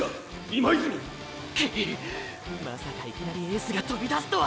まさかいきなりエースがとびだすとは。